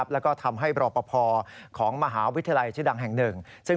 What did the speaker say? และทำให้เป็นรอปะพอมของมหาวิทยาลัยชื่อดังแห่งหนึ่ง